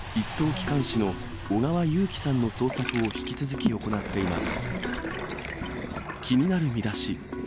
機関士の小川有樹さんの捜索を引き続き行っています。